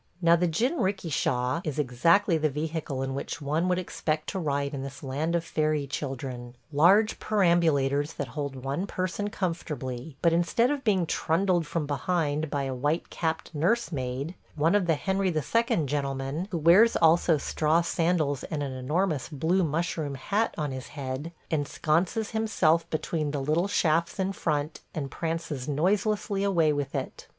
Now, the jinrikisha is exactly the vehicle in which one would expect to ride in this land of fairy children – large perambulators that hold one person comfortably; but instead of being trundled from behind by a white capped nursemaid, one of the Henry II. gentlemen, who wears also straw sandals and an enormous blue mushroom hat on his head, ensconces himself between the little shafts in front and prances noiselessly away with it.